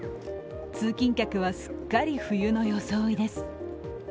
通勤客はすっかり冬の装いです。